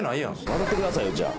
笑うてくださいよじゃあ。